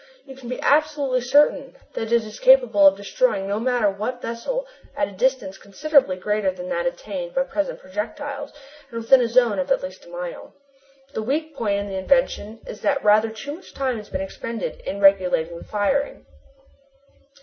You can be absolutely certain that it is capable of destroying no matter what vessel at a distance considerably greater than that attained by present projectiles and within a zone of at least a mile. The weak point in the invention is that rather too much time has to be expended in regulating the firing."